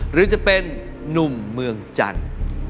หรือจะเป็นนุ่มเมืองจันทร์